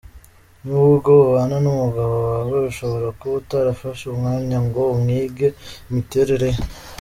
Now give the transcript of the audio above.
Nubwo ubana n’umugabo wawe, ushobora kuba utarafashe umwanya ngo umwige imiterere ye.